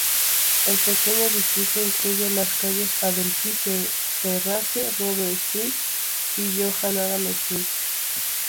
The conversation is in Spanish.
El pequeño distrito incluye las calles "Adelphi Terrace", "Robert Street" y "John Adam Street".